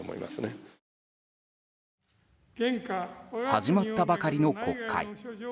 始まったばかりの国会。